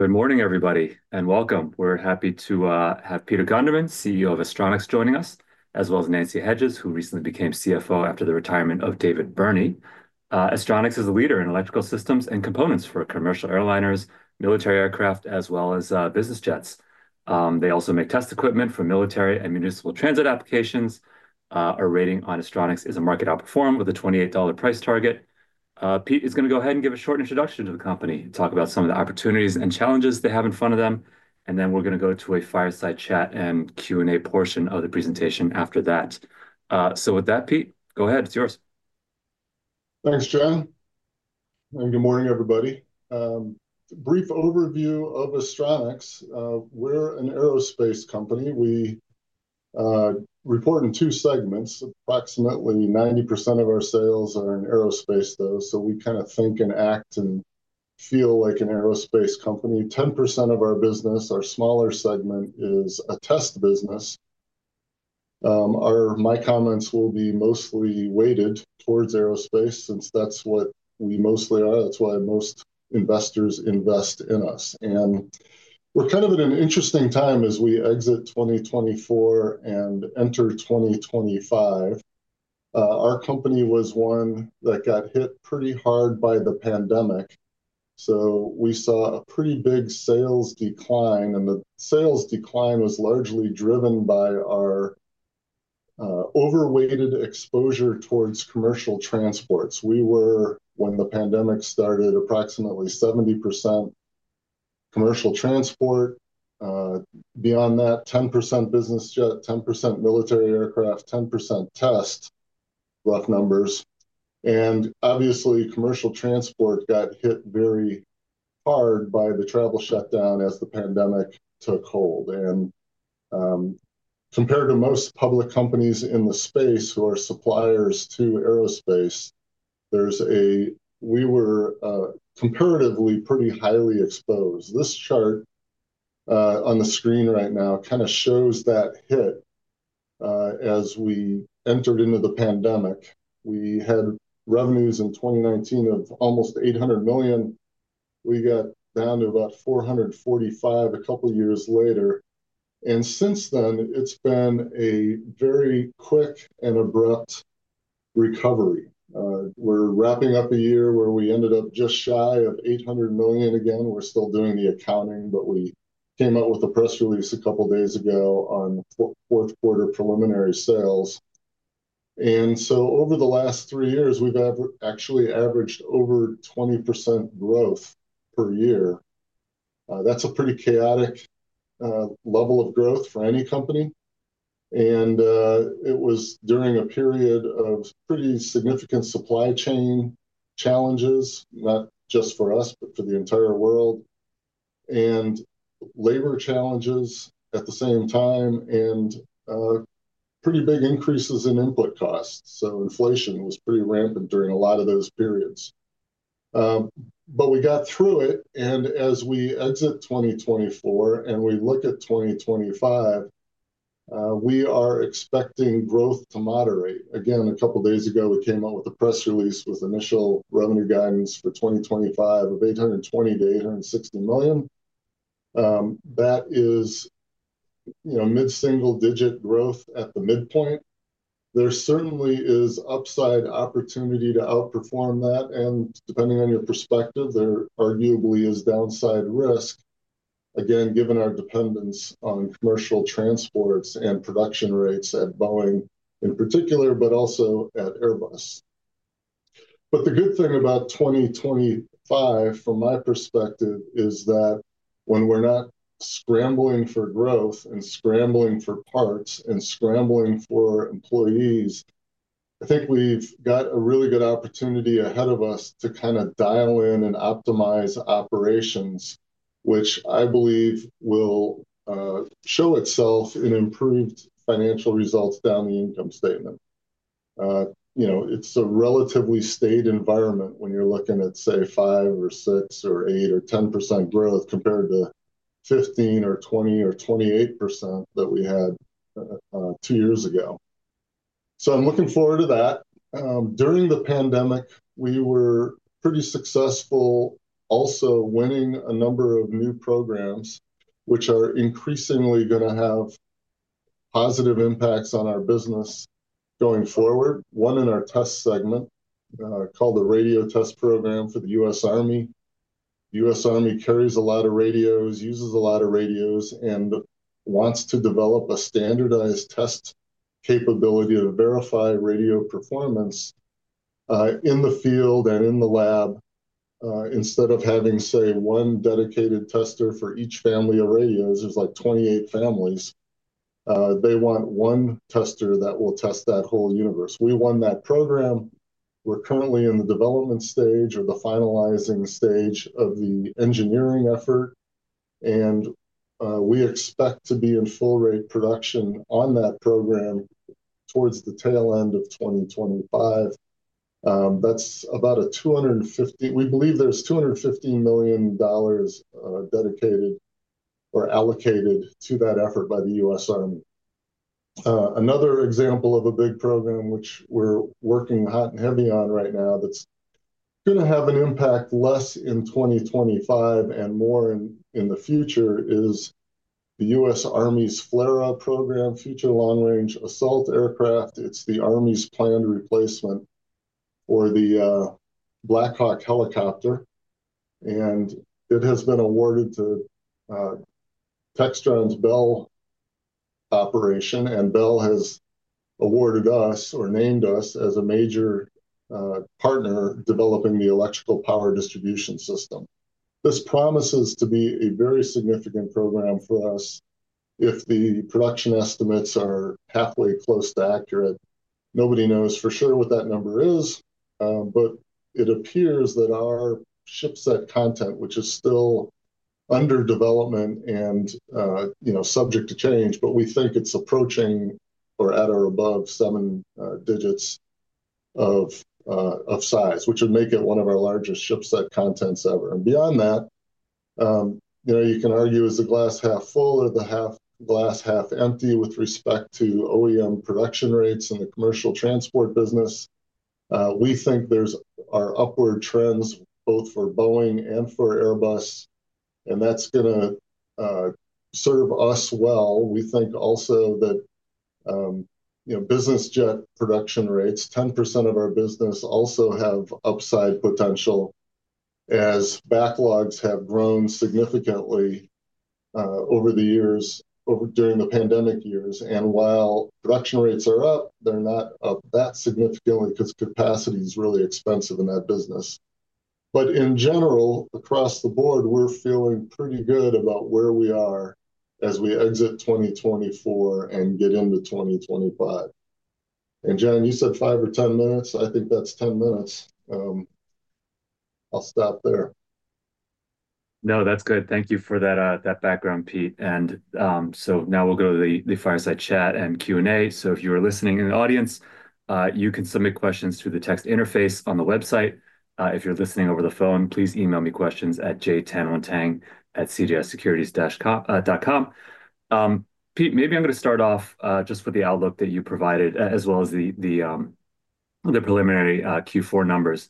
Good morning, everybody, and welcome. We're happy to have Peter Gunderman, CEO of Astronics, joining us, as well as Nancy Hedges, who recently became CFO after the retirement of David Burney. Astronics is a leader in electrical systems and components for commercial airliners, military aircraft, as well as business jets. They also make test equipment for military and municipal transit applications. Our rating on Astronics is a market outperform with a $28 price target. Peter is going to go ahead and give a short introduction to the company, talk about some of the opportunities and challenges they have in front of them, and then we're going to go to a fireside chat and Q&A portion of the presentation after that. So with that, Peter, go ahead. It's yours. Thanks, John, and good morning, everybody. Brief overview of Astronics. We're an aerospace company. We report in two segments. Approximately 90% of our sales are in aerospace, though, so we kind of think and act and feel like an aerospace company. 10% of our business, our smaller segment, is a test business. My comments will be mostly weighted towards aerospace since that's what we mostly are. That's why most investors invest in us. We're kind of at an interesting time as we exit 2024 and enter 2025. Our company was one that got hit pretty hard by the pandemic. We saw a pretty big sales decline, and the sales decline was largely driven by our overweighted exposure towards commercial transports. We were, when the pandemic started, approximately 70% commercial transport. Beyond that, 10% business jet, 10% military aircraft, 10% test rough numbers. Obviously, commercial transport got hit very hard by the travel shutdown as the pandemic took hold. And compared to most public companies in the space who are suppliers to aerospace, we were comparatively pretty highly exposed. This chart on the screen right now kind of shows that hit. As we entered into the pandemic, we had revenues in 2019 of almost $800 million. We got down to about $445 million a couple of years later. And since then, it's been a very quick and abrupt recovery. We're wrapping up a year where we ended up just shy of $800 million again. We're still doing the accounting, but we came out with a press release a couple of days ago on fourth quarter preliminary sales. And so over the last three years, we've actually averaged over 20% growth per year. That's a pretty chaotic level of growth for any company. It was during a period of pretty significant supply chain challenges, not just for us, but for the entire world, and labor challenges at the same time, and pretty big increases in input costs. Inflation was pretty rampant during a lot of those periods. We got through it. As we exit 2024 and we look at 2025, we are expecting growth to moderate. Again, a couple of days ago, we came out with a press release with initial revenue guidance for 2025 of $820 million-$860 million. That is mid-single digit growth at the midpoint. There certainly is upside opportunity to outperform that. Depending on your perspective, there arguably is downside risk, again, given our dependence on commercial transports and production rates at Boeing in particular, but also at Airbus. But the good thing about 2025, from my perspective, is that when we're not scrambling for growth and scrambling for parts and scrambling for employees, I think we've got a really good opportunity ahead of us to kind of dial in and optimize operations, which I believe will show itself in improved financial results down the income statement. It's a relatively staid environment when you're looking at, say, 5% or 6% or 8% or 10% growth compared to 15% or 20% or 28% that we had two years ago. So I'm looking forward to that. During the pandemic, we were pretty successful also winning a number of new programs, which are increasingly going to have positive impacts on our business going forward. One in our test segment called the Radio Test Program for the US Army. The U.S. Army carries a lot of radios, uses a lot of radios, and wants to develop a standardized test capability to verify radio performance in the field and in the lab. Instead of having, say, one dedicated tester for each family of radios, there's like 28 families. They want one tester that will test that whole universe. We won that program. We're currently in the development stage or the finalizing stage of the engineering effort. And we expect to be in full rate production on that program towards the tail end of 2025. That's about a $250 million. We believe there's $250 million dedicated or allocated to that effort by the U.S. Army. Another example of a big program, which we're working hot and heavy on right now, that's going to have an impact less in 2025 and more in the future, is the U.S. Army's FLRAA program, Future Long-Range Assault Aircraft. It's the Army's planned replacement for the Black Hawk helicopter, and it has been awarded to Textron's Bell operation, and Bell has awarded us or named us as a major partner developing the electrical power distribution system. This promises to be a very significant program for us if the production estimates are halfway close to accurate. Nobody knows for sure what that number is, but it appears that our shipset content, which is still under development and subject to change, but we think it's approaching or at or above seven digits of size, which would make it one of our largest shipset contents ever. Beyond that, you can argue is the glass half full or the glass half empty with respect to OEM production rates in the commercial transport business. We think there are upward trends both for Boeing and for Airbus. And that's going to serve us well. We think also that business jet production rates, 10% of our business also have upside potential as backlogs have grown significantly over the years during the pandemic years. And while production rates are up, they're not up that significantly because capacity is really expensive in that business. But in general, across the board, we're feeling pretty good about where we are as we exit 2024 and get into 2025. And John, you said five or 10 minutes. I think that's 10 minutes. I'll stop there. No, that's good. Thank you for that background, Peter. And so now we'll go to the fireside chat and Q&A. So if you are listening in the audience, you can submit questions through the text interface on the website. If you're listening over the phone, please email me questions at jtanwanteng@cjs-securities.com. Peter, maybe I'm going to start off just with the outlook that you provided, as well as the preliminary Q4 numbers.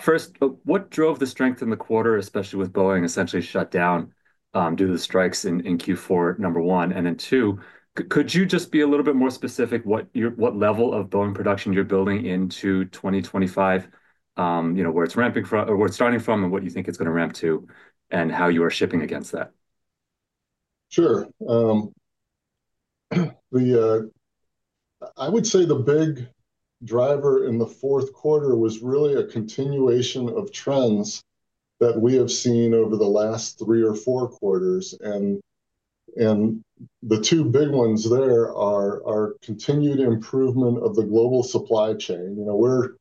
First, what drove the strength in the quarter, especially with Boeing essentially shut down due to the strikes in Q4, number one? And then two, could you just be a little bit more specific what level of Boeing production you're building into 2025, where it's ramping from or where it's starting from and what you think it's going to ramp to and how you are shipping against that? Sure. I would say the big driver in the fourth quarter was really a continuation of trends that we have seen over the last three or four quarters, and the two big ones there are continued improvement of the global supply chain. We're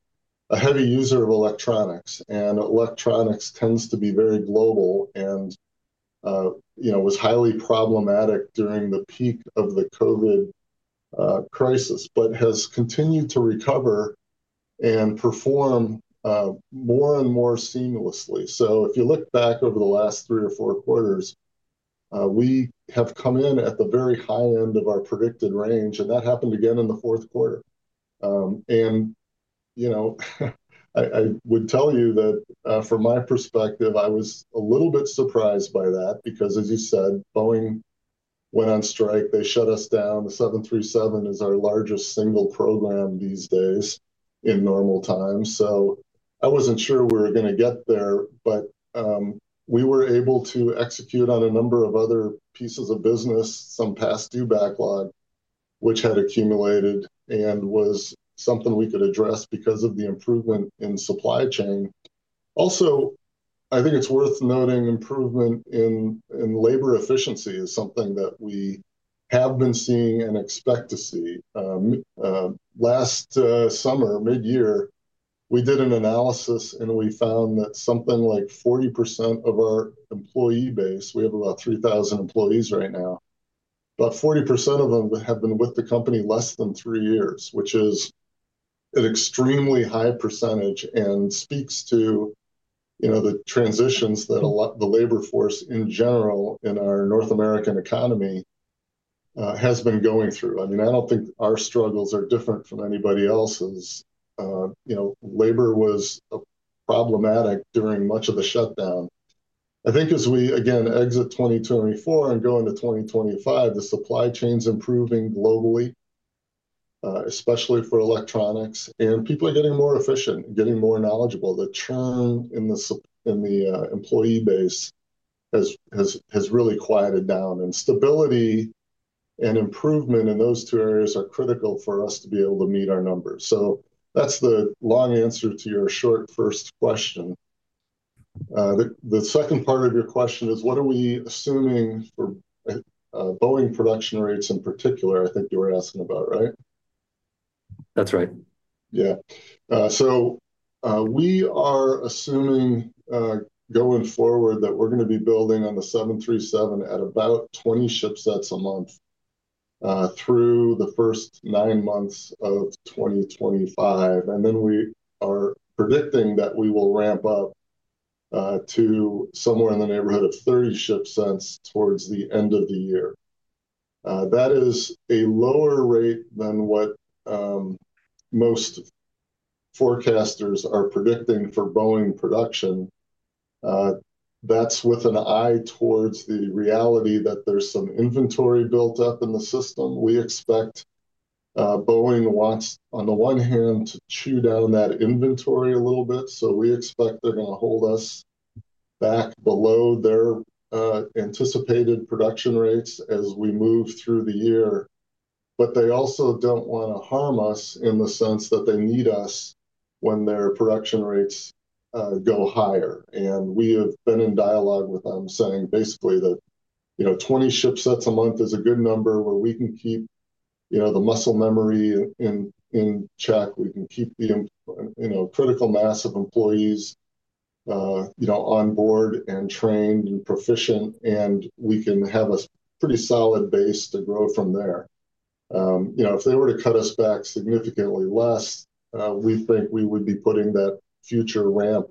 a heavy user of electronics, and electronics tends to be very global and was highly problematic during the peak of the COVID crisis, but has continued to recover and perform more and more seamlessly, so if you look back over the last three or four quarters, we have come in at the very high end of our predicted range, and that happened again in the fourth quarter, and I would tell you that from my perspective, I was a little bit surprised by that because, as you said, Boeing went on strike. They shut us down. The 737 is our largest single program these days in normal times. So I wasn't sure we were going to get there, but we were able to execute on a number of other pieces of business, some past due backlog, which had accumulated and was something we could address because of the improvement in supply chain. Also, I think it's worth noting, improvement in labor efficiency is something that we have been seeing and expect to see. Last summer, mid-year, we did an analysis, and we found that something like 40% of our employee base, we have about 3,000 employees right now, about 40% of them have been with the company less than three years, which is an extremely high percentage and speaks to the transitions that the labor force in general in our North American economy has been going through. I mean, I don't think our struggles are different from anybody else's. Labor was problematic during much of the shutdown. I think as we, again, exit 2024 and go into 2025, the supply chain is improving globally, especially for electronics, and people are getting more efficient and getting more knowledgeable. The churn in the employee base has really quieted down, and stability and improvement in those two areas are critical for us to be able to meet our numbers, so that's the long answer to your short first question. The second part of your question is, what are we assuming for Boeing production rates in particular? I think you were asking about, right? That's right. Yeah. So we are assuming going forward that we're going to be building on the 737 at about 20 shipsets a month through the first nine months of 2025. And then we are predicting that we will ramp up to somewhere in the neighborhood of 30 shipsets towards the end of the year. That is a lower rate than what most forecasters are predicting for Boeing production. That's with an eye towards the reality that there's some inventory built up in the system. We expect Boeing wants, on the one hand, to chew down that inventory a little bit. So we expect they're going to hold us back below their anticipated production rates as we move through the year. But they also don't want to harm us in the sense that they need us when their production rates go higher. We have been in dialogue with them saying basically that 20 shipsets a month is a good number where we can keep the muscle memory in check. We can keep the critical mass of employees on board and trained and proficient. And we can have a pretty solid base to grow from there. If they were to cut us back significantly less, we think we would be putting that future ramp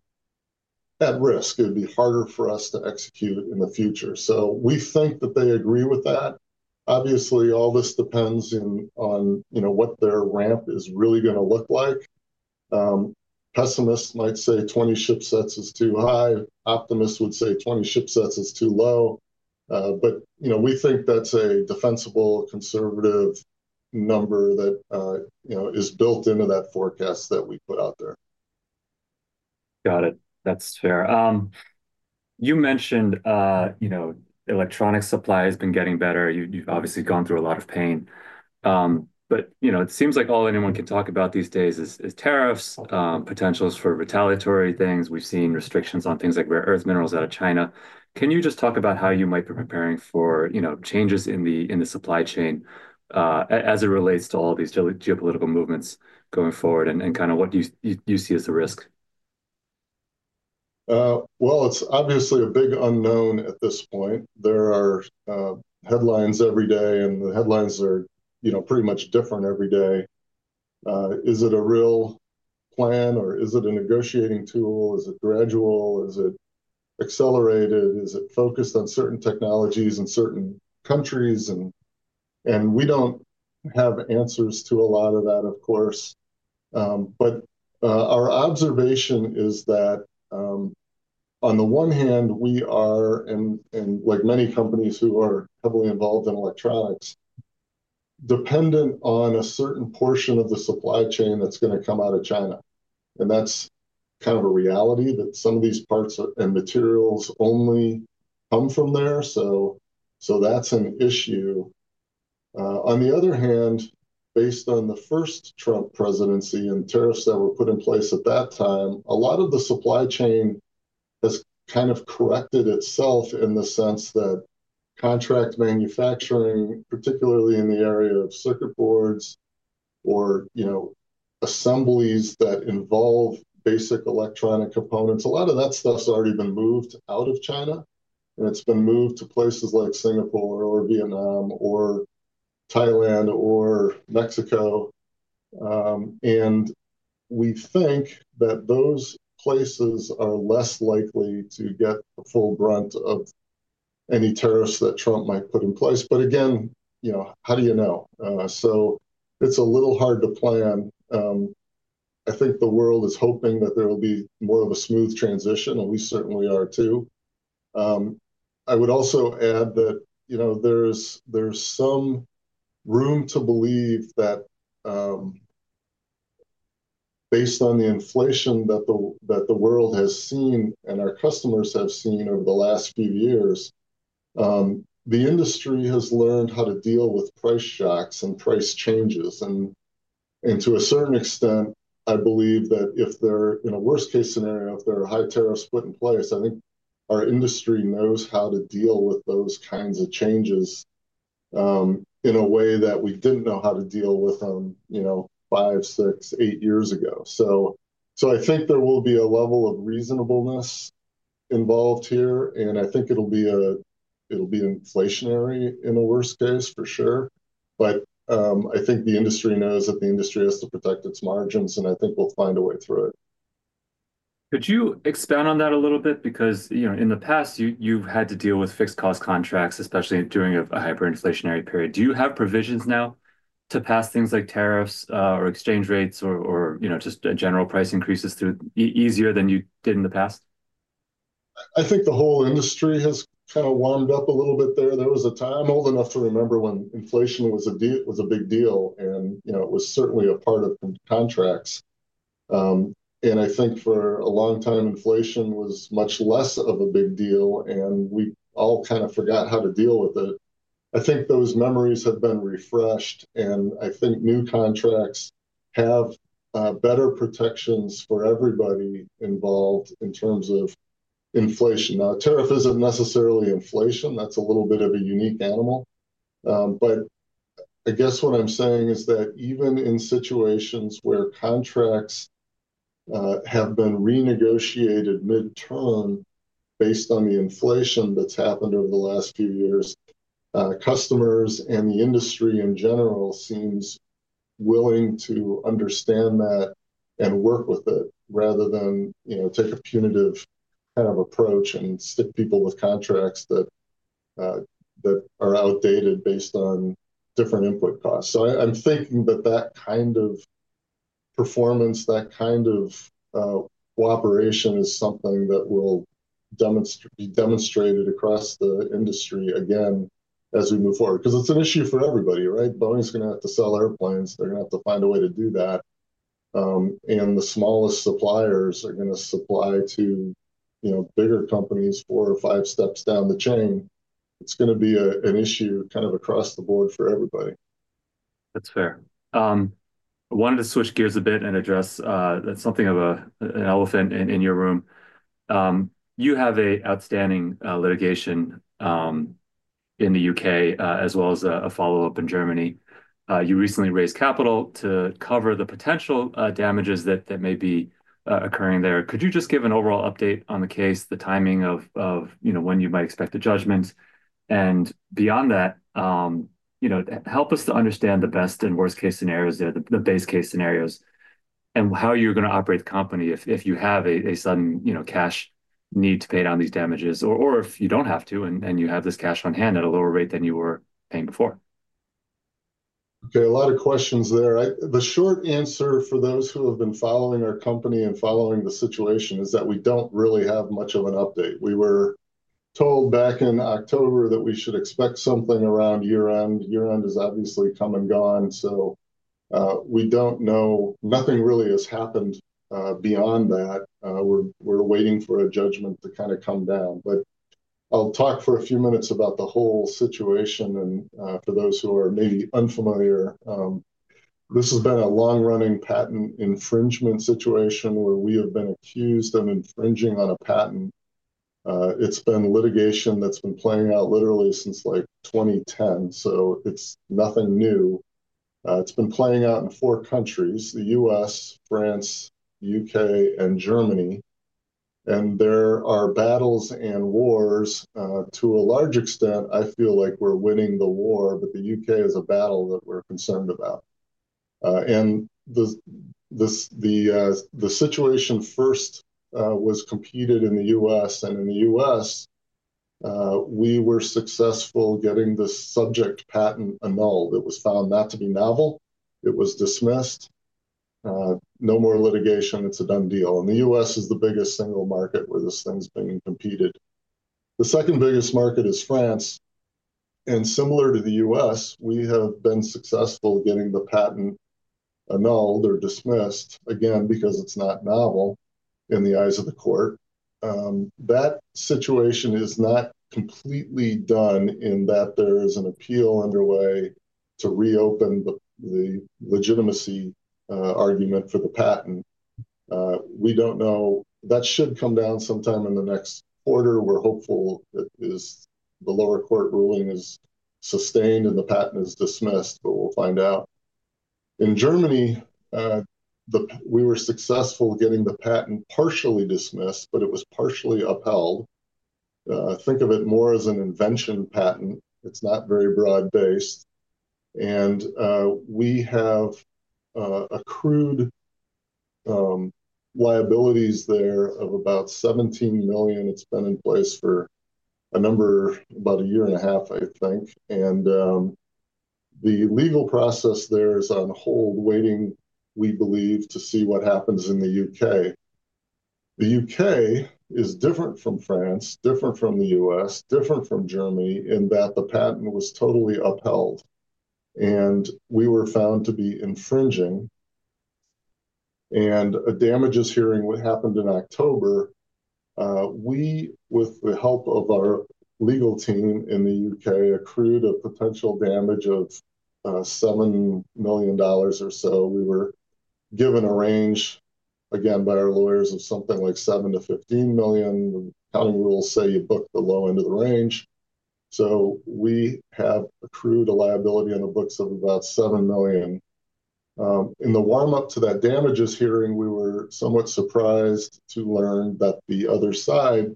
at risk. It would be harder for us to execute in the future. So we think that they agree with that. Obviously, all this depends on what their ramp is really going to look like. Pessimists might say 20 shipsets is too high. Optimists would say 20 shipsets is too low. But we think that's a defensible conservative number that is built into that forecast that we put out there. Got it. That's fair. You mentioned electronics supply has been getting better. You've obviously gone through a lot of pain. But it seems like all anyone can talk about these days is tariffs, potentials for retaliatory things. We've seen restrictions on things like rare earth minerals out of China. Can you just talk about how you might be preparing for changes in the supply chain as it relates to all these geopolitical movements going forward and kind of what you see as the risk? It's obviously a big unknown at this point. There are headlines every day. And the headlines are pretty much different every day. Is it a real plan, or is it a negotiating tool? Is it gradual? Is it accelerated? Is it focused on certain technologies in certain countries? And we don't have answers to a lot of that, of course. But our observation is that on the one hand, we are, and like many companies who are heavily involved in electronics, dependent on a certain portion of the supply chain that's going to come out of China. And that's kind of a reality that some of these parts and materials only come from there. So that's an issue. On the other hand, based on the first Trump presidency and tariffs that were put in place at that time, a lot of the supply chain has kind of corrected itself in the sense that contract manufacturing, particularly in the area of circuit boards or assemblies that involve basic electronic components, a lot of that stuff's already been moved out of China, and it's been moved to places like Singapore or Vietnam or Thailand or Mexico, and we think that those places are less likely to get the full brunt of any tariffs that Trump might put in place, but again, how do you know, so it's a little hard to plan. I think the world is hoping that there will be more of a smooth transition, and we certainly are, too. I would also add that there's some room to believe that based on the inflation that the world has seen and our customers have seen over the last few years, the industry has learned how to deal with price shocks and price changes. And to a certain extent, I believe that if they're, in a worst-case scenario, if there are high tariffs put in place, I think our industry knows how to deal with those kinds of changes in a way that we didn't know how to deal with them five, six, eight years ago. So I think there will be a level of reasonableness involved here. And I think it'll be inflationary in the worst case, for sure. But I think the industry knows that the industry has to protect its margins. And I think we'll find a way through it. Could you expand on that a little bit? Because in the past, you've had to deal with fixed-cost contracts, especially during a hyperinflationary period. Do you have provisions now to pass things like tariffs or exchange rates or just general price increases easier than you did in the past? I think the whole industry has kind of warmed up a little bit there. There was a time, old enough to remember, when inflation was a big deal, and it was certainly a part of contracts, and I think for a long time, inflation was much less of a big deal, and we all kind of forgot how to deal with it. I think those memories have been refreshed, and I think new contracts have better protections for everybody involved in terms of inflation. Now, a tariff isn't necessarily inflation. That's a little bit of a unique animal. But I guess what I'm saying is that even in situations where contracts have been renegotiated midterm based on the inflation that's happened over the last few years, customers and the industry in general seems willing to understand that and work with it rather than take a punitive kind of approach and stick people with contracts that are outdated based on different input costs. So I'm thinking that that kind of performance, that kind of cooperation is something that will be demonstrated across the industry again as we move forward. Because it's an issue for everybody, right? Boeing's going to have to sell airplanes. They're going to have to find a way to do that. And the smallest suppliers are going to supply to bigger companies four or five steps down the chain. It's going to be an issue kind of across the board for everybody. That's fair. I wanted to switch gears a bit and address something of an elephant in your room. You have an outstanding litigation in the U.K., as well as a follow-up in Germany. You recently raised capital to cover the potential damages that may be occurring there. Could you just give an overall update on the case, the timing of when you might expect a judgment? And beyond that, help us to understand the best and worst-case scenarios, the base case scenarios, and how you're going to operate the company if you have a sudden cash need to pay down these damages, or if you don't have to and you have this cash on hand at a lower rate than you were paying before. Okay. A lot of questions there. The short answer for those who have been following our company and following the situation is that we don't really have much of an update. We were told back in October that we should expect something around year-end. Year-end has obviously come and gone, so we don't know. Nothing really has happened beyond that. We're waiting for a judgment to kind of come down. But I'll talk for a few minutes about the whole situation, and for those who are maybe unfamiliar, this has been a long-running patent infringement situation where we have been accused of infringing on a patent. It's been litigation that's been playing out literally since like 2010, so it's nothing new. It's been playing out in four countries: the U.S., France, the U.K., and Germany, and there are battles and wars. To a large extent, I feel like we're winning the war, but the U.K. is a battle that we're concerned about. And the situation first was competed in the U.S. And in the U.S., we were successful getting the subject patent annulled. It was found not to be novel. It was dismissed. No more litigation. It's a done deal. And the U.S. is the biggest single market where this thing's been competed. The second biggest market is France. And similar to the U.S., we have been successful getting the patent annulled or dismissed, again, because it's not novel in the eyes of the court. That situation is not completely done in that there is an appeal underway to reopen the legitimacy argument for the patent. We don't know. That should come down sometime in the next quarter. We're hopeful that the lower court ruling is sustained and the patent is dismissed, but we'll find out. In Germany, we were successful getting the patent partially dismissed, but it was partially upheld. Think of it more as an invention patent. It's not very broad-based. And we have accrued liabilities there of about $17 million. It's been in place for a number, about a year and a half, I think. And the legal process there is on hold, waiting, we believe, to see what happens in the U.K. The U.K. is different from France, different from the U.S., different from Germany in that the patent was totally upheld. And we were found to be infringing. And a damages hearing happened in October. We, with the help of our legal team in the U.K., accrued a potential damage of $7 million or so. We were given a range, again, by our lawyers of something like $7-15 million. The country rules say you book the low end of the range. So we have accrued a liability on the books of about $7 million. In the warm-up to that damages hearing, we were somewhat surprised to learn that the other side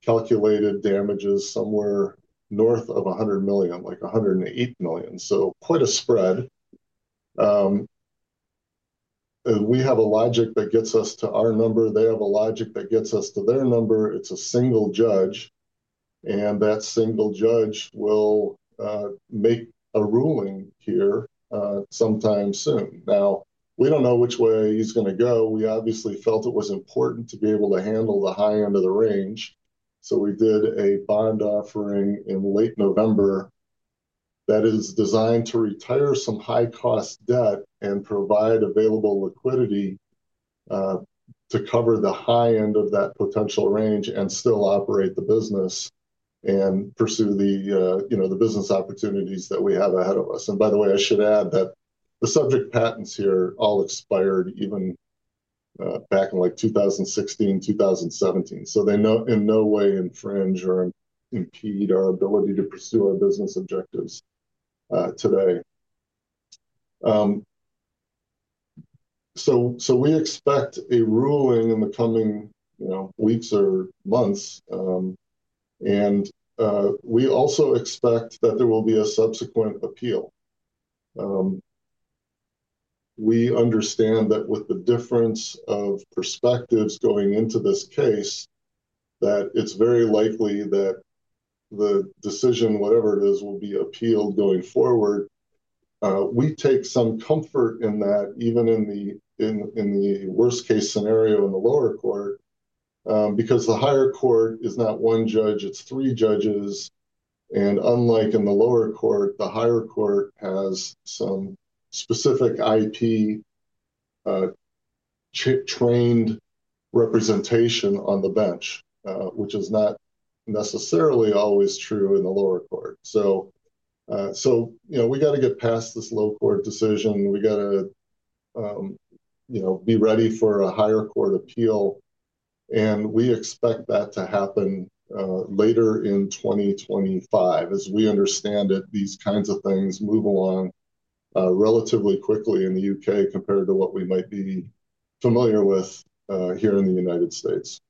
calculated damages somewhere north of $100 million, like $108 million. So quite a spread. We have a logic that gets us to our number. They have a logic that gets us to their number. It's a single judge. And that single judge will make a ruling here sometime soon. Now, we don't know which way he's going to go. We obviously felt it was important to be able to handle the high end of the range. So we did a bond offering in late November that is designed to retire some high-cost debt and provide available liquidity to cover the high end of that potential range and still operate the business and pursue the business opportunities that we have ahead of us. And by the way, I should add that the subject patents here all expired even back in like 2016, 2017. So they in no way infringe or impede our ability to pursue our business objectives today. So we expect a ruling in the coming weeks or months. And we also expect that there will be a subsequent appeal. We understand that with the difference of perspectives going into this case, that it's very likely that the decision, whatever it is, will be appealed going forward. We take some comfort in that, even in the worst-case scenario in the lower court, because the higher court is not one judge. It's three judges, and unlike in the lower court, the higher court has some specific IP-trained representation on the bench, which is not necessarily always true in the lower court, so we got to get past this lower court decision. We got to be ready for a higher court appeal, and we expect that to happen later in 2025. As we understand it, these kinds of things move along relatively quickly in the U.K. compared to what we might be familiar with here in the United States,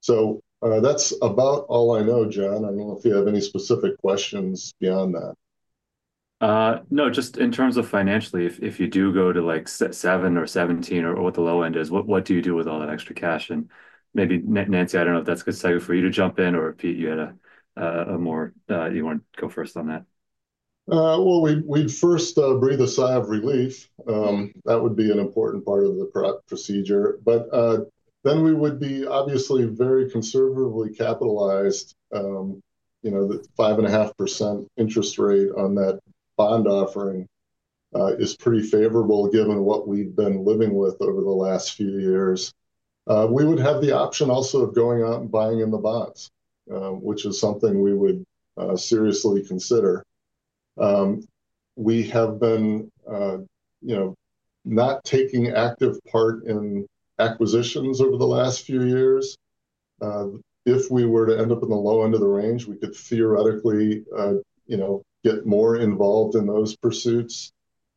so that's about all I know, John. I don't know if you have any specific questions beyond that. No, just in terms of financially, if you do go to like seven or 17 or what the low end is, what do you do with all that extra cash? And maybe, Nancy, I don't know if that's a good segue for you to jump in or Peter, you had a more you want to go first on that. We'd first breathe a sigh of relief. That would be an important part of the procedure. But then we would be obviously very conservatively capitalized. The 5.5% interest rate on that bond offering is pretty favorable given what we've been living with over the last few years. We would have the option also of going out and buying in the bonds, which is something we would seriously consider. We have been not taking active part in acquisitions over the last few years. If we were to end up in the low end of the range, we could theoretically get more involved in those pursuits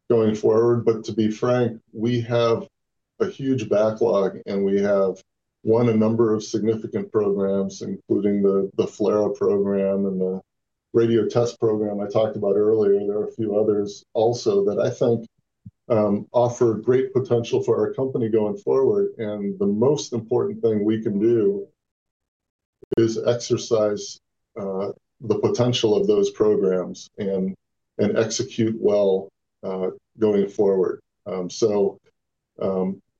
going forward. But to be frank, we have a huge backlog. And we have won a number of significant programs, including the FLRAA program and the Radio Test Program I talked about earlier. There are a few others also that I think offer great potential for our company going forward, and the most important thing we can do is exercise the potential of those programs and execute well going forward, so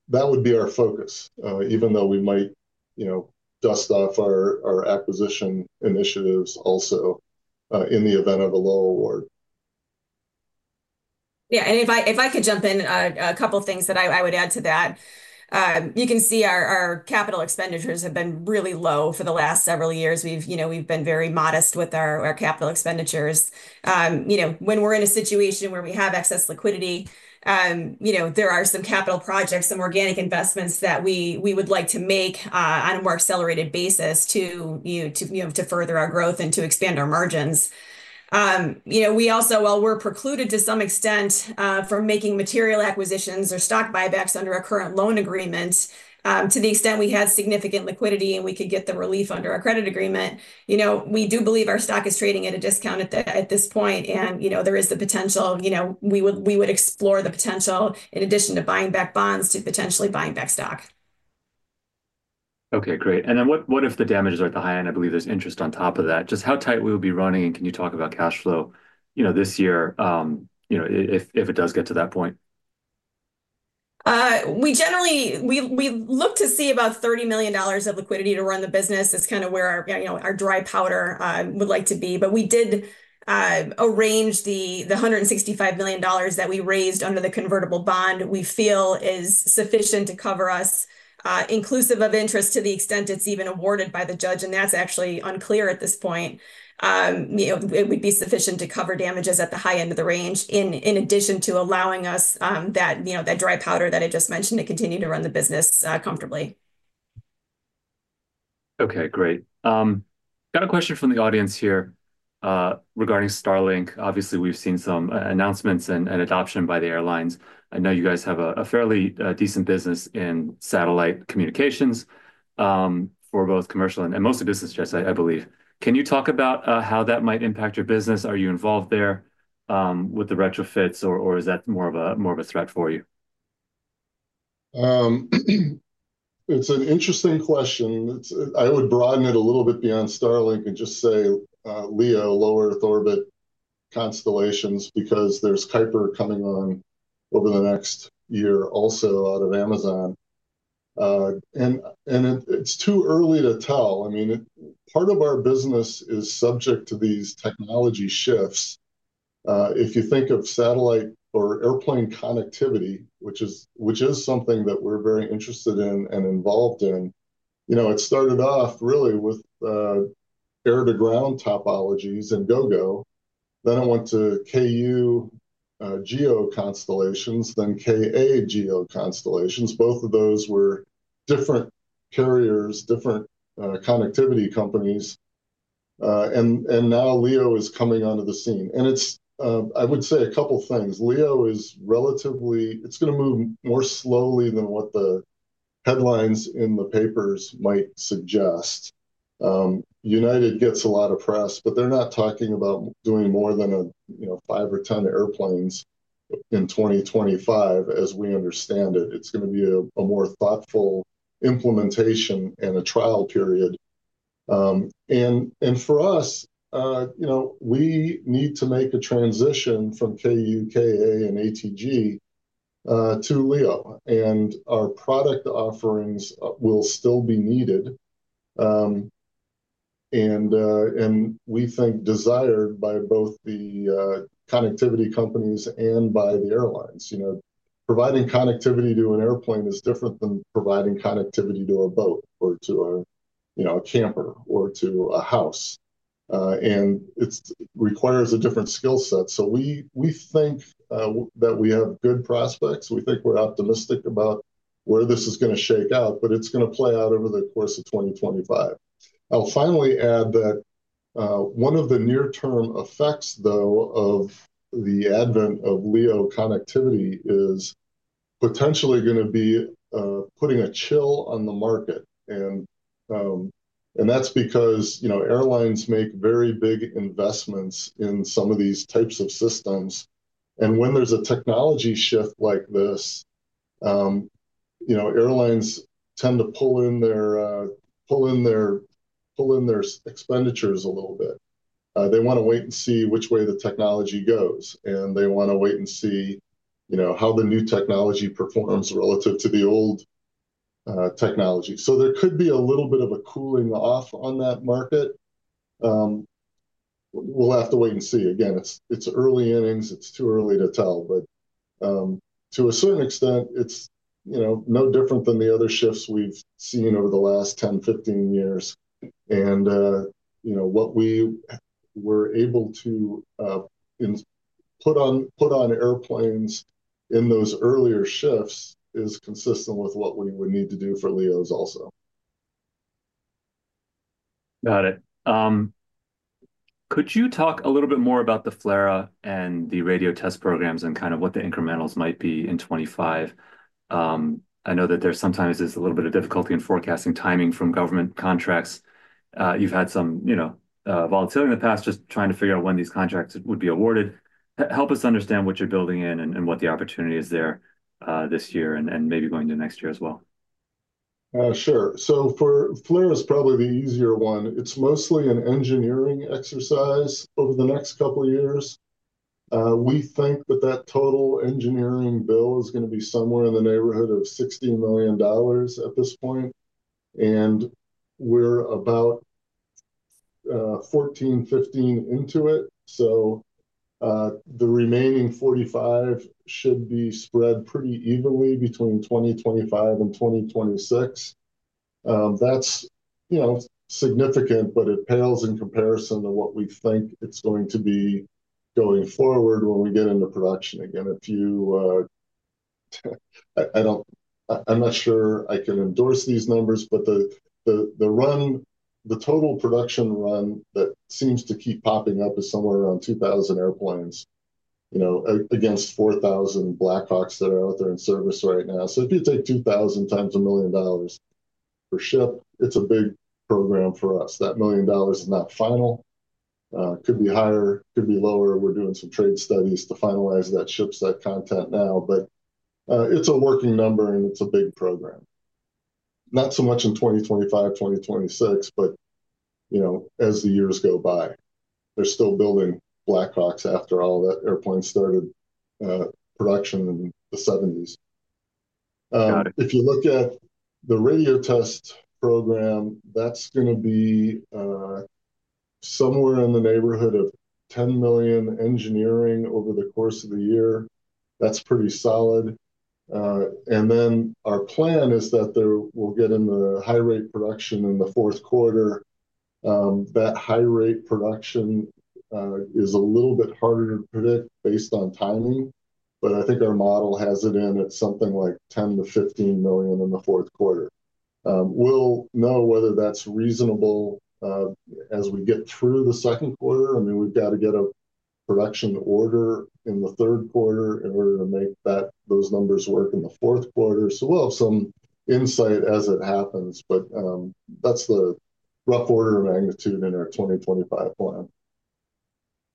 that would be our focus, even though we might dust off our acquisition initiatives also in the event of a low award. Yeah, and if I could jump in, a couple of things that I would add to that. You can see our capital expenditures have been really low for the last several years. We've been very modest with our capital expenditures. When we're in a situation where we have excess liquidity, there are some capital projects, some organic investments that we would like to make on a more accelerated basis to further our growth and to expand our margins. We also, while we're precluded, to some extent, from making material acquisitions or stock buybacks under our current loan agreement, to the extent we had significant liquidity and we could get the relief under our credit agreement, we do believe our stock is trading at a discount at this point, and there is the potential we would explore the potential in addition to buying back bonds to potentially buying back stock. Okay. Great. And then what if the damages are at the high end? I believe there's interest on top of that. Just how tight will we be running? And can you talk about cash flow this year if it does get to that point? We look to see about $30 million of liquidity to run the business. It's kind of where our dry powder would like to be. But we did arrange the $165 million that we raised under the convertible bond we feel is sufficient to cover us, inclusive of interest to the extent it's even awarded by the judge. And that's actually unclear at this point. It would be sufficient to cover damages at the high end of the range in addition to allowing us that dry powder that I just mentioned to continue to run the business comfortably. Okay. Great. Got a question from the audience here regarding Starlink. Obviously, we've seen some announcements and adoption by the airlines. I know you guys have a fairly decent business in satellite communications for both commercial and mostly business jets, I believe. Can you talk about how that might impact your business? Are you involved there with the retrofits, or is that more of a threat for you? It's an interesting question. I would broaden it a little bit beyond Starlink and just say LEO, Low Earth Orbit, constellations, because there's Kuiper coming on over the next year also out of Amazon, and it's too early to tell. I mean, part of our business is subject to these technology shifts. If you think of satellite or airplane connectivity, which is something that we're very interested in and involved in, it started off really with air-to-ground topologies and Gogo. Then it went to Ku GEO constellations, then Ka GEO constellations. Both of those were different carriers, different connectivity companies, and now LEO is coming onto the scene. And I would say a couple of things. LEO is relatively, it's going to move more slowly than what the headlines in the papers might suggest. United gets a lot of press, but they're not talking about doing more than five or 10 airplanes in 2025, as we understand it. It's going to be a more thoughtful implementation and a trial period, and for us, we need to make a transition from Ku, Ka, and ATG to LEO, and our product offerings will still be needed, and we think desired by both the connectivity companies and by the airlines. Providing connectivity to an airplane is different than providing connectivity to a boat or to a camper or to a house, and it requires a different skill set, so we think that we have good prospects. We think we're optimistic about where this is going to shake out, but it's going to play out over the course of 2025. I'll finally add that one of the near-term effects, though, of the advent of LEO connectivity is potentially going to be putting a chill on the market. And that's because airlines make very big investments in some of these types of systems. And when there's a technology shift like this, airlines tend to pull in their expenditures a little bit. They want to wait and see which way the technology goes. And they want to wait and see how the new technology performs relative to the old technology. So there could be a little bit of a cooling off on that market. We'll have to wait and see. Again, it's early innings. It's too early to tell. But to a certain extent, it's no different than the other shifts we've seen over the last 10, 15 years. What we were able to put on airplanes in those earlier shifts is consistent with what we would need to do for LEOs also. Got it. Could you talk a little bit more about the FLRAA and the radio test programs and kind of what the incrementals might be in 2025? I know that there sometimes is a little bit of difficulty in forecasting timing from government contracts. You've had some volatility in the past just trying to figure out when these contracts would be awarded. Help us understand what you're building in and what the opportunity is there this year and maybe going into next year as well. Sure. So for FLRAA is probably the easier one. It's mostly an engineering exercise over the next couple of years. We think that that total engineering bill is going to be somewhere in the neighborhood of $60 million at this point. And we're about $14-$15 million into it. So the remaining $45 million should be spread pretty evenly between 2025 and 2026. That's significant, but it pales in comparison to what we think it's going to be going forward when we get into production again a few. I'm not sure I can endorse these numbers, but the total production run that seems to keep popping up is somewhere around 2,000 airplanes against 4,000 Black Hawks that are out there in service right now. So if you take 2,000 times $1 million per ship, it's a big program for us. That $1 million is not final. It could be higher. It could be lower. We're doing some trade studies to finalize that shipset content now, but it's a working number, and it's a big program. Not so much in 2025, 2026, but as the years go by, they're still building Black Hawks after all that airplane started production in the 1970s. If you look at the radio test program, that's going to be somewhere in the neighborhood of $10 million engineering over the course of the year. That's pretty solid, and then our plan is that we'll get into high-rate production in the fourth quarter. That high-rate production is a little bit harder to predict based on timing. But I think our model has it in at something like $10-$15 million in the fourth quarter. We'll know whether that's reasonable as we get through the second quarter. I mean, we've got to get a production order in the third quarter in order to make those numbers work in the fourth quarter. So we'll have some insight as it happens. But that's the rough order of magnitude in our 2025 plan.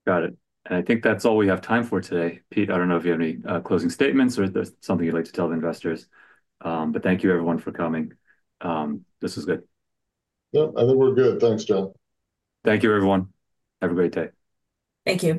Got it. And I think that's all we have time for today. Peter, I don't know if you have any closing statements or something you'd like to tell the investors. But thank you, everyone, for coming. This was good. Yeah. I think we're good. Thanks, John. Thank you, everyone. Have a great day. Thank you.